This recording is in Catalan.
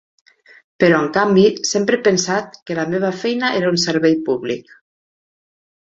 Però en canvi, sempre he pensat que la meva feina era un servei públic.